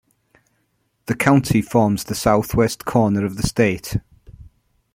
The county forms the southwest corner of the state.